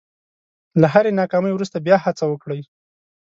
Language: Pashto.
له هرې ناکامۍ وروسته بیا هڅه وکړئ.